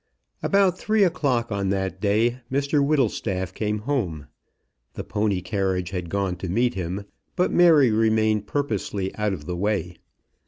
About three o'clock on that day Mr Whittlestaff came home. The pony carriage had gone to meet him, but Mary remained purposely out of the way.